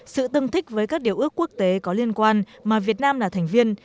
sự tương thích với các điều ước quốc tế có liên quan mà việt nam là thành viên